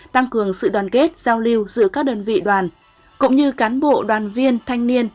tăng cường sự đoàn kết giao lưu giữa các đơn vị đoàn cũng như cán bộ đoàn viên thanh niên